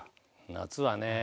夏はねぇ。